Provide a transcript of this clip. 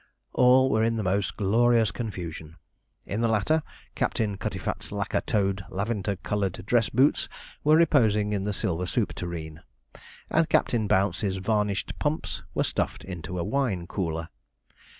All were in most glorious confusion; in the latter, Captain Cutitfat's lacquer toed, lavender coloured dress boots were reposing in the silver soup tureen, and Captain Bouncey's varnished pumps were stuffed into a wine cooler.